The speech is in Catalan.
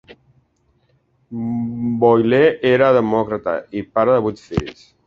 Boyle era demòcrata i pare de vuit fills.